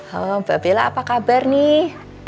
halo mbak bella apa kabar nih